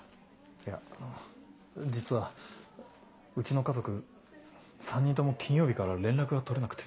いやあの実はうちの家族３人とも金曜日から連絡が取れなくて。